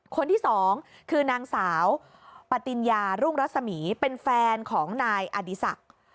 คนที่สองคือนางสาวปติญญารุ่งรัศมีเป็นแฟนของนายอดีศักดิ์